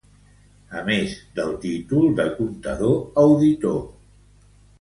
A més del títol de Contador Auditor.